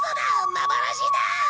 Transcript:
幻だ！